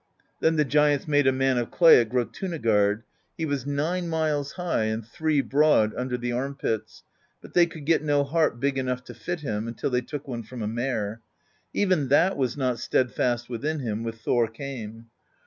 Then the giants made a man of clay at Grjotiinagard: he was nine miles high and three broad under the arm pits; but they could get no heart big enough to fit him, until they took one from a mare. Even that was not steadfast within him, when Thor came.